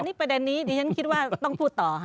นี่ประเด็นนี้ดิฉันคิดว่าต้องพูดต่อค่ะ